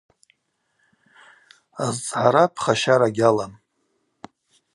Азцӏгӏара пхащара гьамам.